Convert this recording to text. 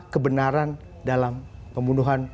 kebenaran dalam pembunuhan